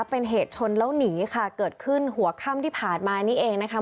เป็นเหตุชนแล้วหนีค่ะเกิดขึ้นหัวค่ำที่ผ่านมานี่เองนะคะ